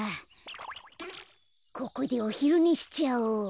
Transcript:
ここでおひるねしちゃおう。